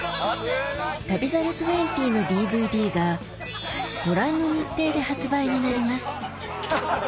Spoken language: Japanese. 『旅猿２０』のＤＶＤがご覧の日程で発売になります